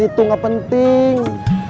itu gak penting